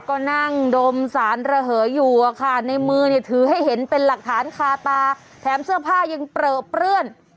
ก็นั่งดมสารระเหยอยู่อะค่ะในมือเนี่ยถือให้เห็นเป็นหลักฐานคาตาแถมเสื้อผ้ายังเปลือเปื้อน